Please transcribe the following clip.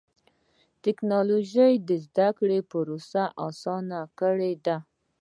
ټکنالوجي د زدهکړې پروسه اسانه کړې ده.